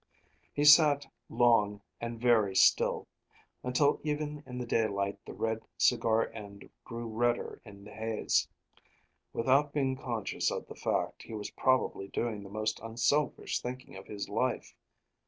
He sat long and very still; until even in the daylight the red cigar end grew redder in the haze. Without being conscious of the fact, he was probably doing the most unselfish thinking of his life.